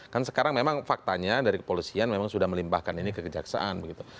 kan sekarang memang faktanya dari kepolisian memang sudah melimpahkan ini ke kejaksaan begitu